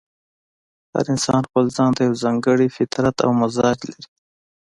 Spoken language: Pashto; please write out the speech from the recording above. هر انسان ځپل ځان ته یو ځانګړی فطرت او مزاج لري.